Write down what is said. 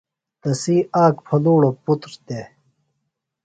تسی آک پھلُوڑوۡ پُتر دےۡ۔